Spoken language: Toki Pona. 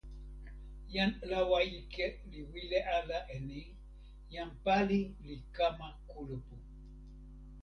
jan lawa ike li wile ala e ni: jan pali li kama kulupu.